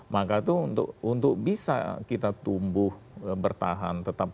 maka itu untuk bisa kita tumbuh bertahan tetap